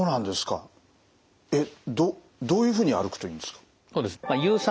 えっどういうふうに歩くといいんですか？